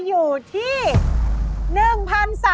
อยู่ที่๑๓๕๐บาทค่ะ